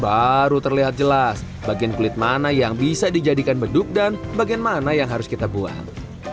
baru terlihat jelas bagian kulit mana yang bisa dijadikan beduk dan bagian mana yang harus kita buang